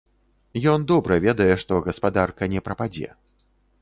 Ён добра ведае, што гаспадарка не прападзе.